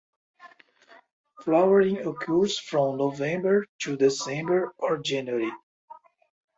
Flowering occurs from November to December or January.